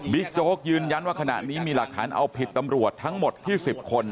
โจ๊กยืนยันว่าขณะนี้มีหลักฐานเอาผิดตำรวจทั้งหมดที่๑๐คน